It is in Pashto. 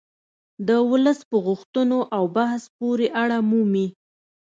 د ولس په غوښتنو او بحث پورې اړه مومي